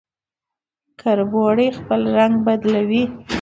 کربوړی خپل رنګ بدلوي